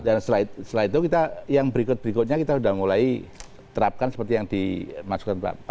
dan setelah itu kita yang berikut berikutnya kita sudah mulai terapkan seperti yang dimaksudkan pak kay